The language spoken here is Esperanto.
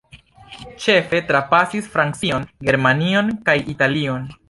Ĉefe trapasis Francion, Germanion kaj Italion.